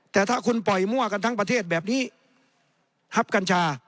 แต่ถ้าคุณปล่อยมั่วกันทั้งประเทศแบบนี้ทับกัญชา